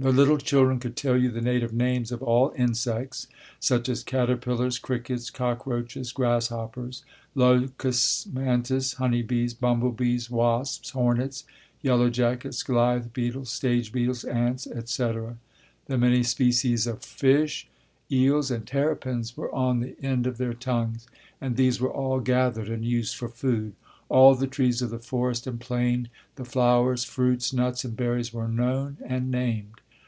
The little children could tell you the native names of all insects, such as caterpillars, crickets, cockroaches, grasshoppers, locusts, mantis, honey bees, bumble bees, wasps, hornets, yellow jackets, goliath beetles, stage beetles, ants, etc. The many species of fish, eels and terrapins were on the end of their tongues, and these were all gathered and used for food. All the trees of the forest and plain, the flowers, fruits, nuts and berries were known and named.